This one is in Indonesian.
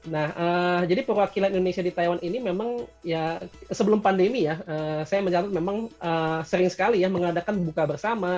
nah jadi perwakilan indonesia di taiwan ini memang ya sebelum pandemi ya saya mencatat memang sering sekali ya mengadakan buka bersama